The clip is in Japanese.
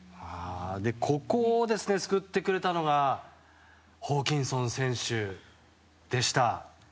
ここを救ってくれたのがホーキンソン選手でした。